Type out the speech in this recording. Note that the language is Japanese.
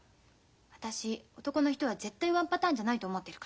私男の人は絶対ワンパターンじゃないと思ってるから。